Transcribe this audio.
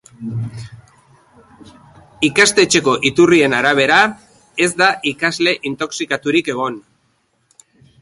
Ikastetxeko iturrien arabera, ez da ikasle intoxikaturik egon.